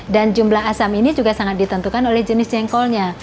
dan jumlah asam ini juga sangat ditentukan oleh jenis jengkolnya